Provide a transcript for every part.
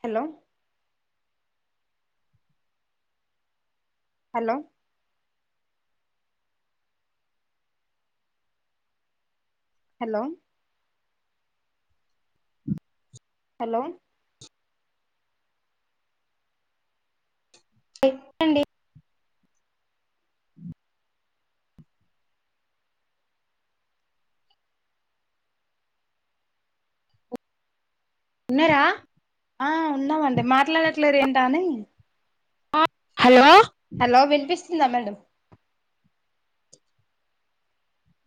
Hello hello hello hello చెప్పండి ఉన్నార ఆ ఉన్నామండి మాట్లాడట్లేదు ఏంట అని హలో హలో వినిపిస్త ఇ మేడం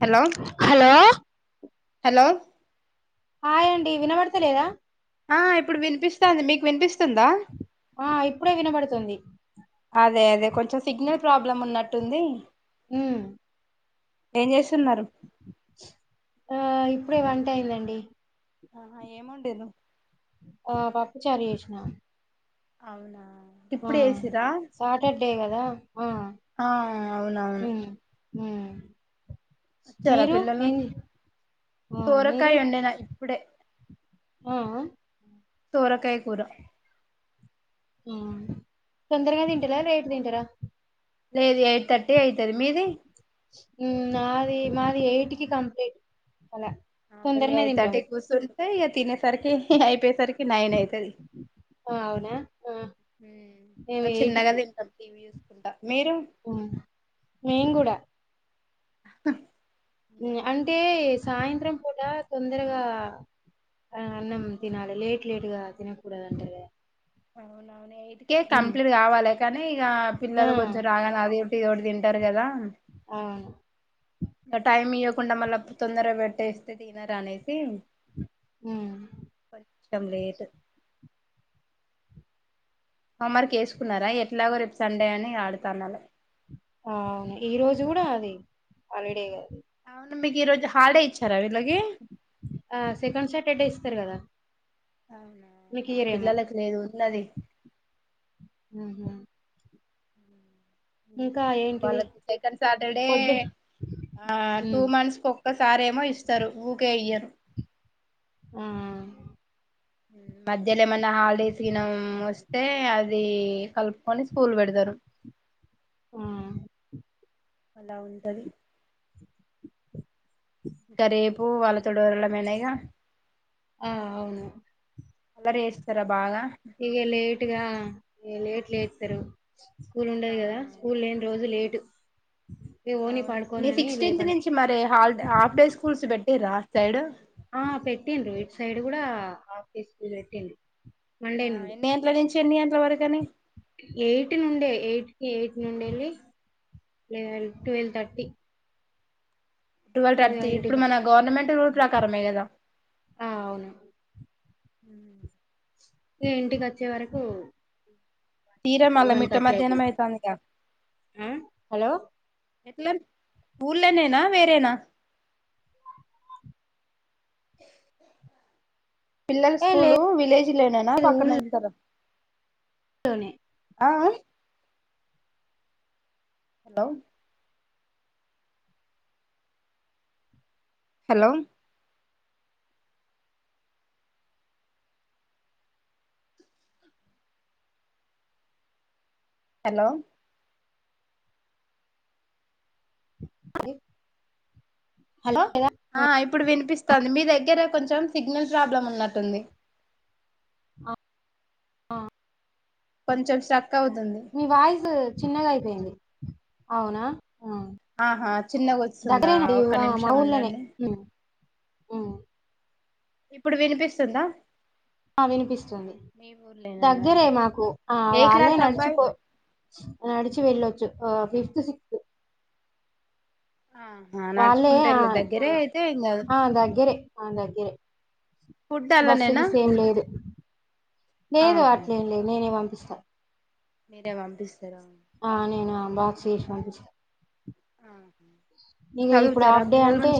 హలో హలో హలో హాయడి వినబడతలేదా ఆ ఇప్పుడు వినిపిస్తాంది మీకు వినిపిస్తుందా ఆ ఇప్పుడే వినబడుతుంది అదే అదే కొంచెం సిగ్నల్ ప్రాబ్లం ఉన్నట్టుంది అ ఏంజ ఆ ఇప్పుడే వంట అయ్యిందండి ఆ ఏముండే నువ్వు ఆ పప్పు చారు చేసినా అవునా ఆ ఇప్పుడు ఏసిరా సాటర్డే కదా ఆ ఆ హ చ్చార పిల్లలు ఆ సోర మీరు కాయ ఒండినా ఇప్పుడే ఆ తోరకయ కూర తొందరగా తింటారా రేట్ తింటారా లేదు ఎయిట్ థర్టీ అయితుంది మీది మాది మాది ఎయిట్ కి కంప్లీట్ అలా మేము తొందరనే ఎయిట్ థర్టీ తింటాము కూర్చంటే ఇక తినేసరికి అయిపోయేసరికి నైన్ అయితది ఆ అవునా ఆ ఇంక చిన్నగ ది టీవీ ట అ మేమ్ గూడా - అ అంటే స్ సాయంత్రం పూట తొందరగా అన్నం తినాలి లేటు లేటుగా తినకూడదండి అవును అవునైట్ కే కంప్లీట్ కావాలే కానీ ఇగ ఆ! పిల్లలు కొంచెం రాగ నాది ప్ తిరోడ్ తింటారు కదా అవును. ఇంగ టైమ్ మియోగ్ కుండా మళ్ళా తొందర పెట్టేస్తే తినరా అనేసి హ్మ్. కోచ్చంలేటు హోమ వర్క్ వేసుకున్నారా ఎట్లాగో రేపు సండే అని ఆడుతానరు అ అవును ఈ రోజు కూడా అది హాలిడే కద అవును మీకి ఈ రోజా ఆ సెకండ్ సెట్టర్డే ఇస్తారు కదా మా పిల్లలకు లేదు ఉన్నది హుహు. ఇంకా ఏంటిది? వాళ్ళకి సెకండ్ సాటర్డే పొద్దు ఆ టూ హ్మ్. మంత్స్ కోక ఒకసారేమో ఇస్తారు ఊకే యియ్యారు ఆ మధ్యలో ఎమన్ నా హాల్ డేస్ దినం వస్తే టే అది కలుపుకొని స్కూల్ పెడతారు ఆ అలా ఉంటంది ఇంట రేపు వాళ్ళతో డోళ్ళ త్ ఆ అవును అల్లరి చేస్తారా బాగా ఇక లేట్గా లేట్ లేస్తారు స్కూల్ ఆ ఉండది కదా స్కూల్ లేని రోజులు లేట్ టిత్ అవును ఈ సిక్స్టీన్త్ నుంచి మరి హాడ్ హాఫ్ డే స్కూల్స్ పెట్టి రా సైడ్ ఆ పెట్టిర్రు ఇట్ సైడ్ గూడా ఆఫ్ డే స్కూల్ పెట్టిడు ఆ ఎన్ని గంటల నుంచి ఎన్ని ఆన్ ఇట్ల వరగానీ ఎయిట్ నుండే ఎయిట్కి ఎయిట్ నుండే లి లెవన్ ట్వెల్వ్ థర్టీ ట్వవల్ ఇక థర్టీ ఇంటికి ఇప్పుడు మన వస్- గవర్నమెంట్ రూల్ ప్రకారమే గదా ఆ అవును హ ఇగ ఇంటికి వచ్చే వరకు తీరమళ వన్ మిట్ట థర్టీ మధ్యాహ్నమ అయితది అయితంది గా ఆ హలో ఎట్లా ఊళ్ళ నేనా వేరేనా పిల్లల ఏ స్కూలు లేదు విలేజ్ లే నైనా పక్కన అందితార తోనే ఆఆ డవ్ హలో మ్ హలో అయి ఆ ఇప్పుడు వినిపిస్ వత్తాంది మీ దగ్గర కొంచెం సిగ్నల్ ప్రాబ్లమ్ ఉన్నట్టు ఉంది ఆ ఆ పంచర్ షాప్ మీ వాయిస్ చిన్నగా అయిపోయింది అవునా ఆ. ఆహా చిన్నగా వస్తుందా దగ్గరేనండి ఒక నిమిషం ఉండడి ఉ ఇప్పుడు వినుపిస్తుందా ఆ వినిపిస్తుంది ఊర్లేనానా దగ్గరే మాకు ఆ ఏ వాళ్ళే క్లాస్ అబ్బాయి నడిచిపో నడిచి వెళ్ళొచ్చు ఆ ఫిఫ్త్ సిక్స్త్ ఆహా వాళ్ళే నడుచుకుంటే ఆ వెళ్ళ దగ్గరే అయితే ఏం కాదు ఆ దగ్గరే ఆ దగ్గరే ఫుడ్ బస్సు అల్లనేనా గీసు ఏం లేదు లేదు అట్లే ఏం లేదు నినే ఇస్తా మీడే వంపిస్తారా బాక్సి సంపూ చే ఆ ఇగ ఇప్పుడు హాఫ్ డే అంటే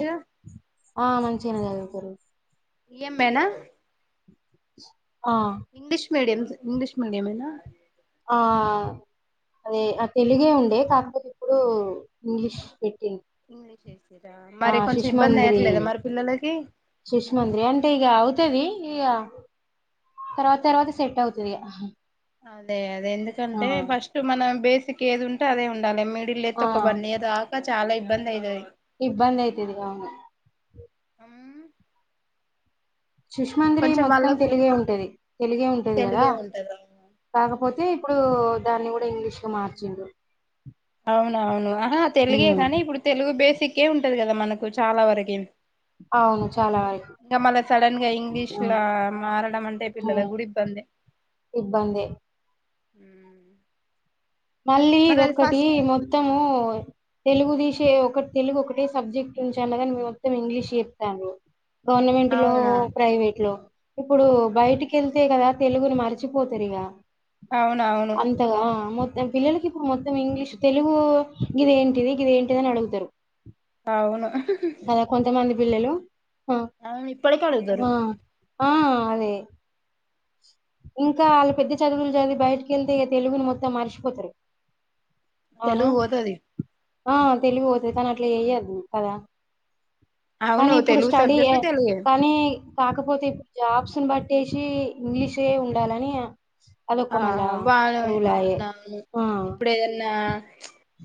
ఆ మంచిగానే చదువుతరు ఇయ్యం బేన ఆ ఇంగ్లీష్ మీడియం స్ ఇంగ్లీష్ మీడియంమేనా. ఆ అదే ఆ తెలుగే ఉండే కాకపోతే ఇప్పుడు ఇంగ్లీష్. పెట్టిరు ఇంగ్లీష్ వేసిరా ఆ మరి కొంచెం ఇబ్బంది శిశుమంద్రి, అయ్యట్లేదా మరి పిల్లలకి శిశుమంద్రి అంటే ఇగ అ అయితది ఇగ తర్వాత తర్వాత సెట్ అవుతది ఇగా. అదే అ దే ఎందుకంటే ఫస్ట్ మన బేసిక్ ఏది ఉంటే అదే ఉం గదే మిడిల్లేతే ఆ ఒక వన్నీయర్ దాకా చాలా ఇ బ్బంది అయితది. ఇబ్బంది అయితది అవును. అం శిశుమందిరి మొత్తం వాళ్ళకు తెలుగే ఉంటది. తెలుగే ఉంటది కదా తెలుగే ఉంటది కాకపోతే ఇప్పుడు దాన్ని కూడా ఇంగ్లీష్గా మార్చిండు. అవునవును ఆహా తెలుగే కానీ ఇప్పుడు తెలుగు బేస్ సిక్కే ఉంటది కదా మనకు చాలా వరకి అవును చాలా వరకు ఇంగా మళ సడన్ గా ఉమ్ ఇంగ్లీష్లా మారడం అంటే పిల్లలకి గుడా ఇబ్బందె. ఇబ్బందే ఉ మళ్ళీ ఇదొక్కటి మొత్తము తెలుగు తీశి టే ఒకటి తెలుగు ఒకటే సబ్జెక్ట్ ఉంచు అన్నగాని మొత్తం ఇంగ్లీష్ చెప్తాన్రు. గవర్నమెంట్ లో, అవునా ప్రైవేట్ లో. ఇప్పుడు బయటికి ఎళ్తే కదా తెలుగుని మర్చిపోతరు ఇగా. అవునవును అంతగా ఆ మొ నేను పిల్లలకి ఇప్పుడు మొత్తం ఇంగ్లీష్. తెలుగు గిది ఏంటిది గది ఏంటిది అని అడుగుతరు. అవును. పిల్లలు ఆ అవును ఇప్పడికి అడుగుతరు. ఆ ఆ అదే. ఇంకా ఆళ్ళు పెద్ద చదువులు చదివి బయటికెళ్తే ఇగ తెలుగును మొత్తం మరిచిపోతరు. తెలుగు పోతది. ఆ తెలుగు వొతది. కానీ అట్లా చెయ్యదు కదా కానీ అవును ఇప్పుడు తెలుగు స్టడీ, సబ్జెక్ట్ తెలుగే కానీ కాకపోతే ఇప్పుడు జాబ్స్ బట్టేశి ఇంగ్లీషే ఉండాలని అదొక ఆ మళ్ళా వాళు రూలాయే అవునవును ఆ ఇప్పుడు ఏదన్నా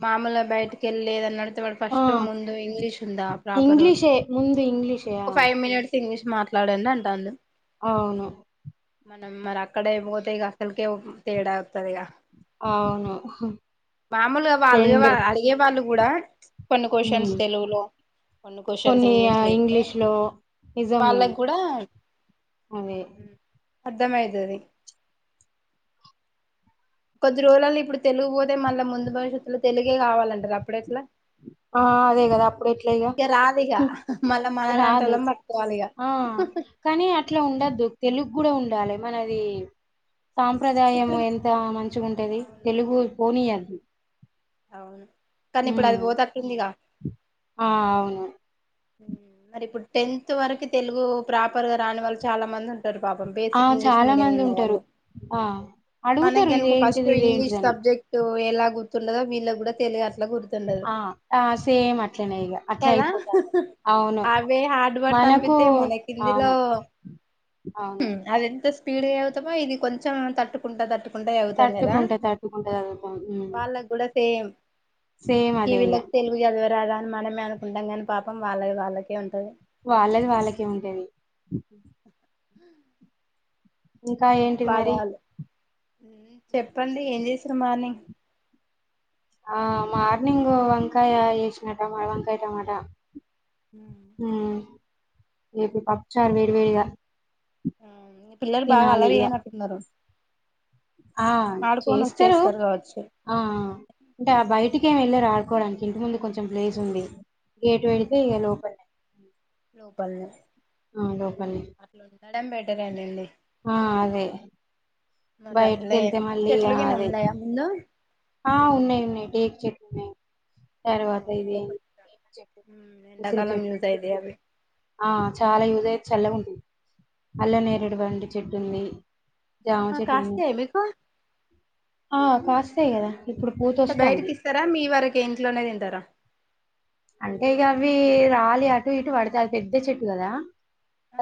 మామూలుగా బయటకిళ్ళలేదన్నడు ఆ ఫస్ట్ ముందు ఇంగ్లీష్ ఉందా ప్రాపర్ ఇంగ్లీషే ముందు ఇంగ్లీషే ఒక ఆ ఫైవ్ మినిట్స్ ఇంగ్లీష్ మాట్లాడండి అంటాఉండు అవును మనం మరి అక్కడ అయిపోతా క చలిక తేడా ఉతందిగా అవును మామూలుగా అగే రెండు వా అడిగే వాళ్ళు కూడా కొన్ని క్వశ్చన్స్ మ్ తెలుగులో కొన్ని క్వశ్చన్స్ ఆ ఇంగ్లీష్లు అస్తతే ఇంగ్లీష్ లో నిజం వాళ్ళకి కూడా అదే అర్థమయదు అయితది కొద్ది రోజులల్లో ఇప్పుడు తెలుగు పోతే మళ్ళా ముందు భవిష్యత్లో తెలుగే కావాలంటారు అప్పుడ ఎట్లా ఆ అదే కదా అప్పుడు ఎట్ల ఇగా రాదిగా హు మళ్ళా రాదు మనలాంటోళ్ళం పట్టుకోవాలి ఇగ ఆ కానీ అట్లా ఉండద్దు తెలుగు కూడా ఉండ డాలే మనది సాంప్రదాయం ఇప్పుడు ఎంత మంచిగాంటేది తెలుగు అవునవును ఉమ్ పోనీయాధు అవును కానిఇప్పుడు అది పోతట్టుందిగా ఆ అవును ఉమ్ మరి ఇప్పుడు టెన్త్ వరకు తెలుగు ప్రాపర్ గా రాని వాళ్ళు చాలా మంది ఉం టారు పాపం ఆ బేసిక్ ఇంగ్లీష్ చాలా మీడియం మంది ఉన్న ఉంటారు వాళ్ళు ఆ మనకి అడుగుతారు గనక ఫస్ట్ ఇదేంటిది ఇంగ్లీష్ ఇదేంటిదని సబ్జెక్ట్ ఒకా వేలా గుర్తుండదో వీళ్ళ కి కూడా తెలియ ఆ ఆ సేమ్ అట్లనే ఇక అట్లే అయిపోత హు హు అవే హార్డ్ వర్డ్స్ మనకు అనిపిస్తయి మనకిందులో అవును అవును హ్మ్ అది ఎంత పీడి అవుతా ఇది కొంచెం తట్టుకుంట తట్టుకు కుంటే అవుతాం కదా తట్టుకుంట తట్టుకుంట చదువుతాం ఉమ్ వాళ్ళకు కూడా సేమ్ సేమ్ అదే ఇగ టీవీలొకి తెలుగు చదవరాదా మనమే అనుకుంటం కానీ పాపం వాళ్ళవి వాళ్ళకే ఉంటది వాళ్ళది వాళ్ళకే ఉంటది హ ఇంకా ఏంటి మరి ఉమ్ చెప్పండి ఏం చేసి మార్నింగ్ ఆ మార్నింగ్ వంకాయ వేసిన టా వంకాయ టమాటా ఉమ్ ఏపీ పప్పుచార్ వేడివేడిగా ఆ మీ పిల్లలు బాగా అల్లరి చేయనట్టున్నరు ఆ చేస్తరు వచ్చేస్తారు కావచ్చు ఆ అంటే ఆ బయటికేమి అంతేనే వెళ్ళరు ఆడుకోవడానికి ఇంటి ముందు కొంచెం ప్లేస్ ఉంది గేట్ పెడితే ఇక లోపలే అ [inaudible] లో బల్ల ఆ లోపల్నే అడ్డం పెట్టరాదండి ఆ అదే మరి బయటికి అసలే వెళ్తే మళ్ళీ ఆ చెట్లు గిన అదే ఉన్నాయా ముందు ఆ ఉన్నయి ఉన్నయి టేకు చెట్లు నయి తర్వాత ఇది ఎంచెట్టు ఉసిరి ఎండాకాలం చెట్టు యూజ్ అయితాయి అవి ఆ చాలా యూజ్ అయి చల్లగా ఉం అల్లనేరుడు వండు చెట్టుంది జామ ఆహా చెట్లున్నయి కాస్తాయా మీకు ఆ కాస్తాయి కదా ఇప్పుడు పూత అంటే బయటకి వస్తాంది ఇస్తారా మీ వరకే ఇంట్లోనే తింటారా అంటే ఇగ అవి రాలి అటు ఇటు పడితయి అది పెద్ద చెట్టు కదా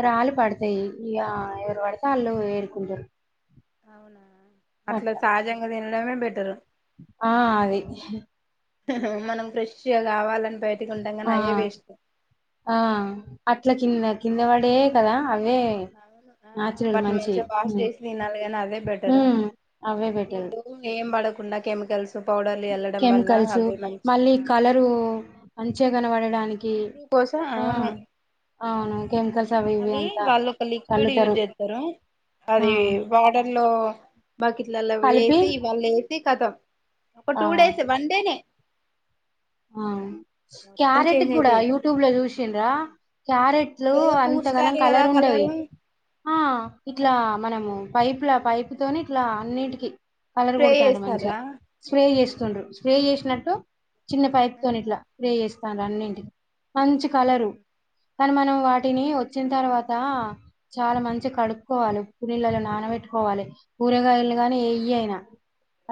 రాలి పడతాయి ఇగ ఎవరు వడి తే ఆల్లు ఏరుకుంటరు అవునా అట్లా సహజంగా తినడమే బెటరు ఆ అది మనం ఫ్రెష్గా కావాలాం ఆ ఆ ఇట్లా కింద కింద వాడే కదా అవే అవును నాచురల్ వాటిని మంచి మంచిగా వాష్ ఉమ్, చేసి తినాలి కానీ అదే బెటర్ ఉమ్, అవే బెటర్ వీట్ ఏం పడక కుండా కెమికల్స్ పౌడర్లు వెళ్ళడం వల్ల కెమికల్స్ అవి మళ్ళీ మంచిగా కలరు మంచిగా కనవడు డానికి ఇంప్రూవ్ కోసం ఆ అవును అవును కెమికల్స్ అవి ఇవి అది అంతా వాళ్ళు ఒక లిక్విడ్ చల్లుతారు యూజ్ చేస్తారు ఆ అది వాటర్ లో బక్కెట్లల్లో కలిపి వేసి ఇవ్వాళ వేసి ఖతం ఒక ఆ టూ డేస్ వన్ డేనే ఆ మొత్తం క్యారెటూకీ చేంజ్ కూడా అయితాయి యూట్యూబ్ లో చూసింరా క్యారెట్లు అదేదో అంతగానం పూస్తారు కదా కలర్ ఉండవి కలరు ఆ ఇట్లా మనము పైపులా పైపు తోని ఇట్లా అన్నిటికిీ కలర్ స్ప్రే కొడుతన్రూ మంచిగ చేస్తారా స్ప్రే చేస్ సుండ్రు స్ప్రే యేషినట్టు చిన్న పైక్ ఆ తోని ఇట్లా స్ప్రే ఎస్తండ్రు అన్నింటికి మంచి కలరు ఉమ్ కానీ మనం వాటిని ఒచ్చిన తర్వాత చాలా మంచి కడుక్కోవాలి ఉప్పు నీళ్ళలో నానబెట్టుకోవాలి కూరగాయలు గానీ ఏయి అయినా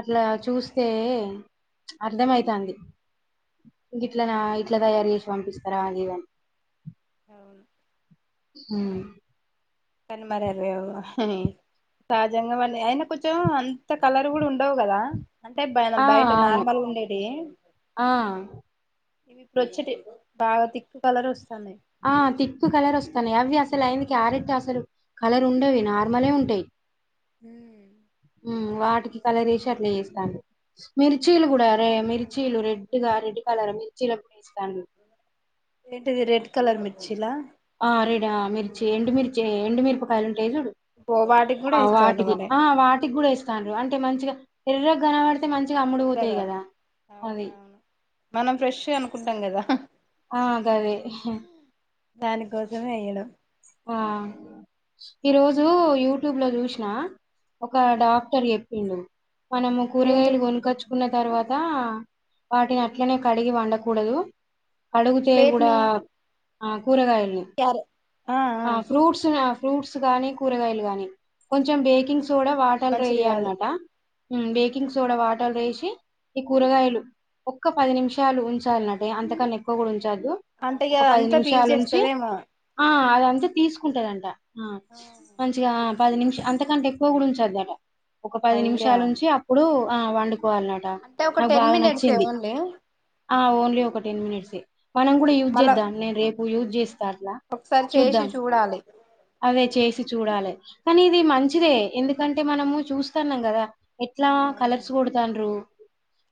అట్లా చూస్తే అర్ధమైతంది. ఇట్లా నా ఉమ్ ఇట్ల తయార్ ఏష్ పంపిస్తరా ఆగి ఇగ అని అవును ఊ కాని మరారేవ్ ఇహ్ హి సహజంగా అయినా కొంచెం అంత కలర్ కూడా ఉండవు కదా అంటే బనా ఆ బయట అవును నార్మల్ ఉండేటియి ఆ ఇవి ఇప్పుడు ఒచ్చేటి బాగా తిక్కు కలర్ ఒస్ ఆ తిక్కు కలర్ ఒస్తనయ్ అవి అస్ అసలైంది క్యారెట్ అసలు కలర్ ఉండవి నార్మలే ఉంటాయి. ఊ ఉమ్ వాటికి కలరేసి అట్ల యేస్తండ్రు మిర్చీలు కూడా అవును రే మిర్చీలు రెడ్గా రెడ్ కలర్ మర్చ చిరం ఏంటిది రెడ్ కలర్ మి చిలా ఆ రడా ఆ మిర్చి ఎండు మిర్చి ఎండు మిరుపకాయలు ఉ రేరుడు ఓ వాటికి కూడా వేస్తారు వాటికి మరి ఆ వాటికి గూడా ఎస్ తండ్రు అంటే మంచిగా ఎర్రగనబడి మంచిగా అమ్ముడు పోతాయి ఎర్రగా కదా అది అవునవును మనం ఫ్రెష్ అనుకుంటాం కదా ఆ అదదే దానికోసమే వెయ్యడం. ఆ ఈరోజు యూట్యూబ్ లో జూష్ణ ఒక డాక్టర్ ఎప్పిండు మనము కూరగాయలు ఏంటిది గొనుకచ్చుకున్న, తర్వాత వాటిని అట్లనే కడిగి వండకు కూడదు అడుగుతే గూడా వేటిని ఆ కూరగాయల్ని క్యారె ఆ ఫ్రూట్స్ ని ఆ ఫ్రూట్స్ గానీ కూరగాయలు గానీ కొంచెం బేకింగ్ సోడా ఇది మంచిది కాదు వాటర్లేయాలన్నట బేకింగ్ సోడా వాటర్ లేషి ఈ కూరగాయలు ఒక్క పది నిమిషాలు ఉంచాల్న డే అంతకన్నా ఎక్కువ గుడా ఉ ఉంచద్దు. అంటే ఇగ ఒక పది అంతా నిమిషాల్ ఉంచి పీల్చేస్తదేమో ఆ సోడా అద తీస్కుంటదంట ఆ మంచిగా పది నిమి అంతకంటే ఎక్కువ కూడా ఉంచొద్దట ఒక పది అయ్యా నిమిషాలు ఉంచి అప్పుడు ఆ వండు కోవాల్నట అంటే ఒక నాకు టెన్ బాగా మినిట్సే నచ్చింది. ఓన్లీ ఆ ఓన్లీ ఒక టెన్ మినిట్సే మనం గుడా యూజ్ మళ్ళా చేద్దాం నేన్ రేప్ యూస్ చేస్ ఒకసారి చేసి చూద్దాం చూడాలి అదే చేసి చూడాలె కానీ ఇది మంచిదే ఎందుకంటే మనము చూస్తాన్నాం కదా ఎట్లా అవును కలర్స్ కొడతాన్రూ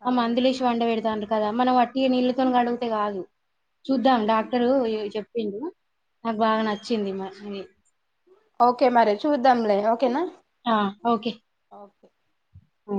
ఆ అవును మందులేసి పండ పెడతాన్ కదా మనం అట్టిగ నీళ్ళతోన్ కడుగుతే కాదు ఉమ్ చూద్దాం ఉమ్ డాక్టరు చెప్ నాక్ బాగా నచ్ చ్చింది. [inaudible] ఓకే మరి చూద్దాంలే ఓకేనా. ఓ